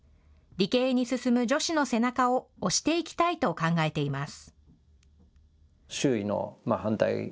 理系に進む女子の背中を押していきたいと考えています。